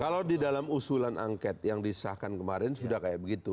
kalau di dalam usulan angket yang disahkan kemarin sudah kayak begitu